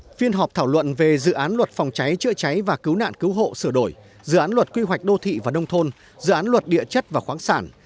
phiên họp thảo luận về dự án luật phòng cháy chữa cháy và cứu nạn cứu hộ sửa đổi dự án luật quy hoạch đô thị và nông thôn dự án luật địa chất và khoáng sản